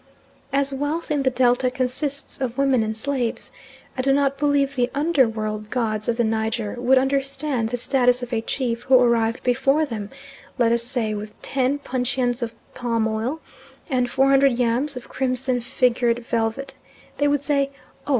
As wealth in the Delta consists of women and slaves I do not believe the under world gods of the Niger would understand the status of a chief who arrived before them, let us say, with ten puncheons of palm oil, and four hundred yards of crimson figured velvet; they would say, "Oh!